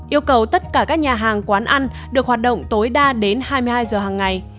yêu cầu tất cả các nhà hàng quán ăn được hoạt động tối đa đến hai mươi hai giờ hằng ngày